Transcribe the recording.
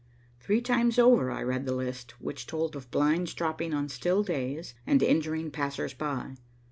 Three times over I read the list which told of blinds dropping on still days and injuring passers by.